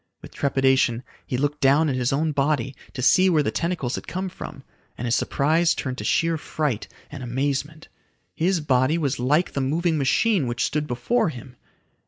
With trepidation he looked down at his own body to see where the tentacles had come from, and his surprise turned to sheer fright and amazement. His body was like the moving machine which stood before him!